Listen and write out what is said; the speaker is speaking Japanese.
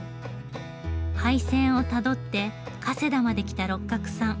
廃線をたどって加世田まで来た六角さん。